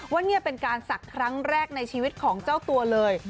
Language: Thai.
ว่านี่เป็นการศักดิ์ครั้งแรกในชีวิตของเจ้าตัวเลย